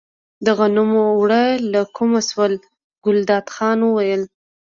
د غنمو اوړه له کومه شول، ګلداد خان وویل.